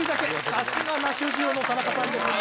さすがナショジオの田中さんですね